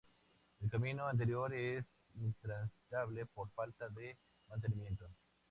El camino anterior es intransitable por falta de mantenimiento.